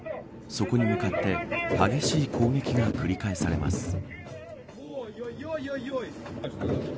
そこに向かって激しい攻撃が繰り返されます。